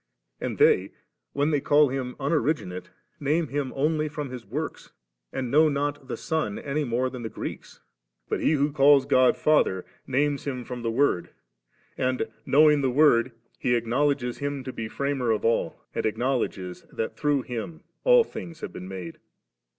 And they, when they call Him Unoriginate, name Him only from His works, and know not the Son any more than the Greeks ; but he who calls God Father, names Him from the Word ; and knowing the Word, he acknowledges Him to be Framer of all, and understands that through Him all things have been made.